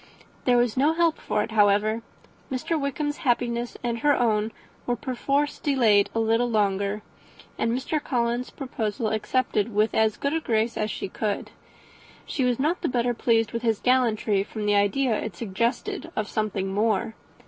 There was no help for it, however. Mr. Wickham's happiness and her own was perforce delayed a little longer, and Mr. Collins's proposal accepted with as good a grace as she could. She was not the better pleased with his gallantry, from the idea it suggested of something more.